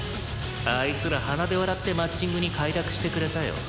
「あいつら鼻で笑ってマッチングに快諾してくれたよ」